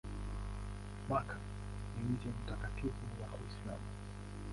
Makka ni mji mtakatifu wa Uislamu.